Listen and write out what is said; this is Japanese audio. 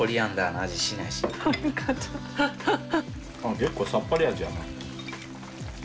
結構さっぱり味やな。